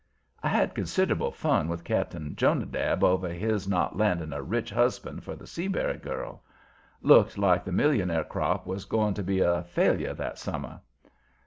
I had considerable fun with Cap'n Jonadab over his not landing a rich husband for the Seabury girl. Looked like the millionaire crop was going to be a failure that summer.